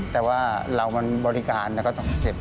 แต่ว่าเรามันบริการแล้วก็ต้องเก็บ